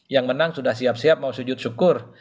yang menang sudah siap siap mau sujud syukur